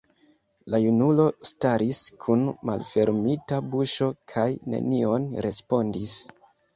La junulo staris kun malfermita buŝo kaj nenion respondis.